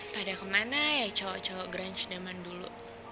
pada kemana ya cowok cowok granch zaman dulu